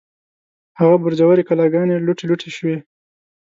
هغه برجورې کلاګانې، لوټې لوټې شوې